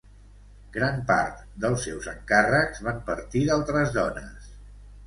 Gran part dels seus encàrrecs van partir d'altres dones.